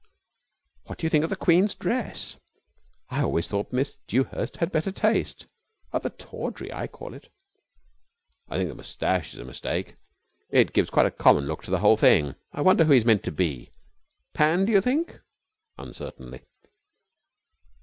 "What do you think of the Queen's dress? I always thought Miss Dewhurst had better taste. Rather tawdry, I call it." "I think the moustache is a mistake. It gives quite a common look to the whole thing. I wonder who he's meant to be? Pan, do you think?" uncertainly.